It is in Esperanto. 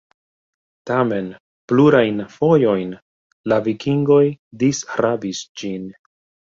Tamen plurajn fojojn la vikingoj disrabis ĝin.